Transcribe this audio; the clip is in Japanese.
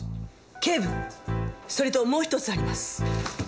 警部それともう１つあります。